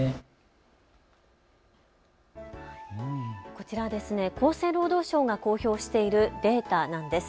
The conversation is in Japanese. こちら、厚生労働省が公表しているデータです。